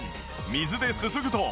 水ですすぐと。